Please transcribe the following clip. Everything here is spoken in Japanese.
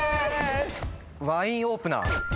ワインオープナー。